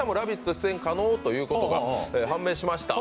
出演可能ということが判明しました。